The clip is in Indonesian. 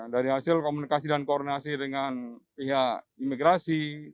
dari hasil komunikasi dan koordinasi dengan pihak imigrasi